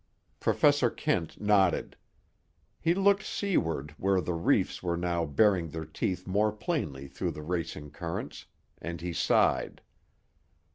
Professor Kent nodded. He looked seaward where the reefs were now baring their teeth more plainly through the racing currents, and he sighed.